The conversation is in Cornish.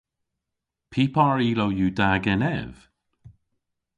Py par ilow yw da genev?